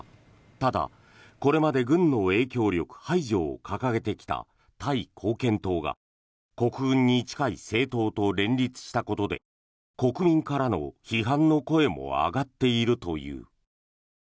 ただ、これまで軍の影響力排除を掲げてきたタイ貢献党が国軍に近い政党と連立したことで国民からの批判の声も上がっているという。